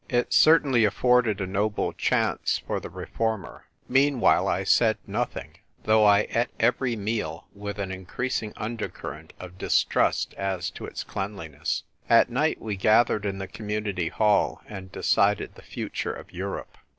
It certainly afforded a noble chance for the reformer. Meanwhile I said nothing, though I eat every 70 THE TYPE WRITER GIRL. meal with an increasing undercurrent of dis trust as to its cleanliness. At night we gathered in the Community hall and decided the future of Europe.